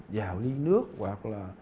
vào ly nước hoặc là